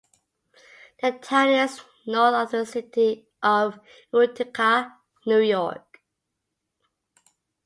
The town is north of the city of Utica, New York.